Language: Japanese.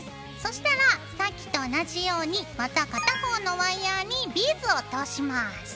そしたらさっきと同じようにまた片方のワイヤーにビーズを通します。